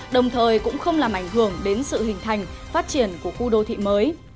đồng thời cũng không làm ảnh hưởng đến sự hình thành phát triển của khu đô thị mới